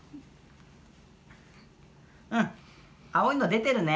うん青いの出てるね。